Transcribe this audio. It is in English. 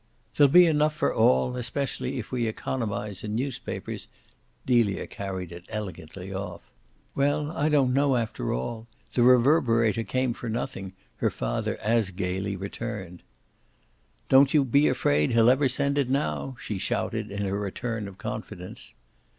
"There'll be enough for all; especially if we economise in newspapers" Delia carried it elegantly off. "Well, I don't know, after all the Reverberator came for nothing," her father as gaily returned. "Don't you be afraid he'll ever send it now!" she shouted in her return of confidence.